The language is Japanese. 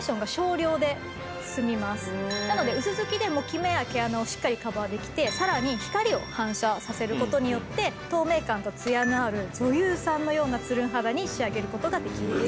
なので薄づきでもキメや毛穴をしっかりカバーできてさらに光を反射させる事によって透明感とツヤのある女優さんのようなツルン肌に仕上げる事ができます。